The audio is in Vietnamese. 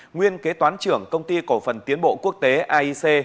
nguyên kế toán trưởng công ty cổ phần tiến bộ quốc tế aic